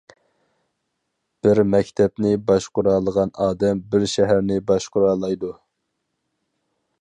بىر مەكتەپنى باشقۇرالىغان ئادەم بىر شەھەرنى باشقۇرالايدۇ.